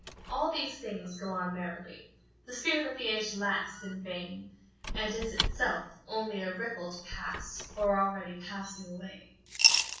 All these things go on merrily. The spirit of the age laughs in vain, and is itself only a ripple to pass, or already passing, away.